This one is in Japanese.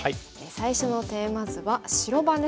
最初のテーマ図は白番ですね。